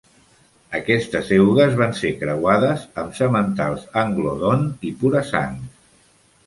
Aquestes eugues van ser creuades amb sementals Anglo-Don i pura sangs.